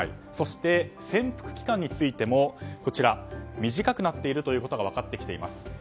そして、潜伏期間についても短くなっているということが分かってきています。